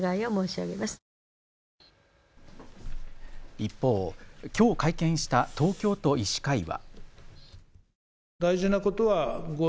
一方、きょう会見した東京都医師会は。